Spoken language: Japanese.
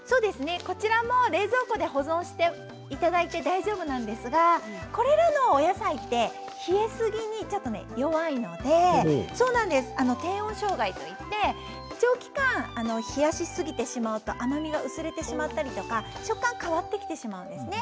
こちらも冷蔵庫で保存していただいて大丈夫なんですがこれらの野菜って冷えすぎにちょっと弱いので低温障害といって長期間、冷やしすぎてしまうと甘みが薄れてしまったりとか食感変わってきてしまうんですね。